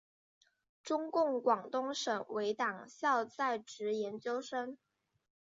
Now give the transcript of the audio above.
中共广东省委党校在职研究生。